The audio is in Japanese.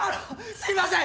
すいません！